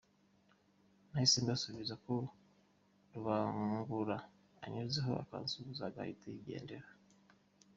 Nahise mbasubiza ko Rubangura anyuzeho akansuhuza agahita yigendera.